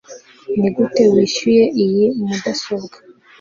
nigute wishyuye iyi mudasobwa